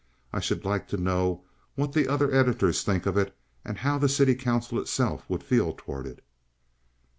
I should like to know what the other editors think of it, and how the city council itself would feel toward it."